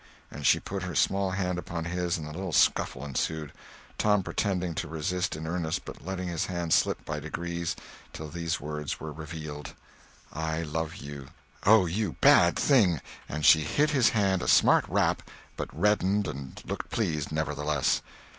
And she put her small hand upon his and a little scuffle ensued, Tom pretending to resist in earnest but letting his hand slip by degrees till these words were revealed: "I love you." "Oh, you bad thing!" And she hit his hand a smart rap, but reddened and looked pleased, nevertheless.